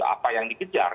apa yang dikejar